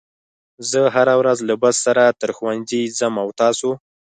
زه هره ورځ له بس سره تر ښوونځي ځم او تاسو